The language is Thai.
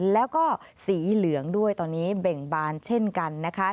แล้วก็สีเหลืองด้วยตอนนี้เบ่งบานเช่นกันนะคะ